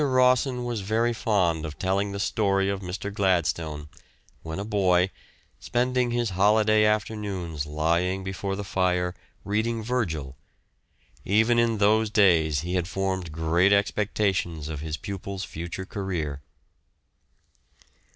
Rawson was very fond of telling the story of Mr. Gladstone, when a boy, spending his holiday afternoons lying before the fire reading Virgil; even in those days he had formed great expectations of his pupil's future career.